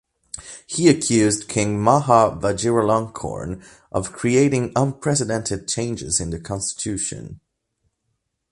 He accused King Maha Vajiralongkorn of creating unprecedented changes in the constitution.